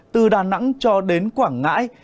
từ đà nẵng cho đến quảng ngãi